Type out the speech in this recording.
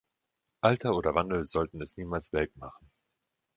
Alter oder Wandel sollten es niemals welk machen.